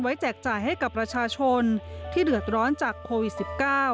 แจกจ่ายให้กับประชาชนที่เดือดร้อนจากโควิด๑๙